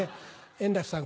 円楽さん